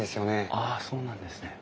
あそうなんですね。